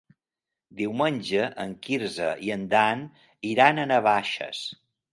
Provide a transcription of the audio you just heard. Diumenge en Quirze i en Dan iran a Navaixes.